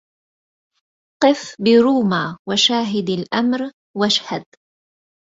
قف بروما وشاهد الأمر واشهد